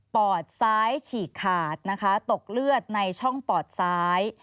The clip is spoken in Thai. อดซ้ายฉีกขาดนะคะตกเลือดในช่องปอดซ้าย